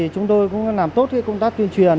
chúng tôi cũng làm tốt công tác tuyên truyền